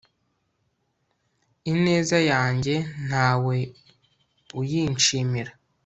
ineza yanjye nta we uyinshimira